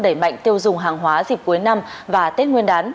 đẩy mạnh tiêu dùng hàng hóa dịp cuối năm và tết nguyên đán